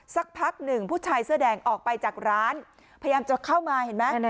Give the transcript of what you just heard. สักพักหนึ่งผู้ชายเสื้อแดงออกไปจากร้านพยายามจะเข้ามาเห็นไหม